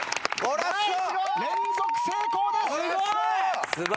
連続成功です。